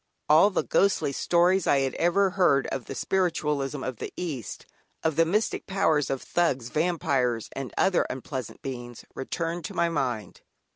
All the ghostly stories I had ever read of the spiritualism of the East, of the mystic powers of "Thugs," "Vampires" and other unpleasant beings, returned to my mind.